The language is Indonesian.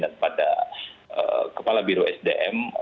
dan pada kepala biro sdm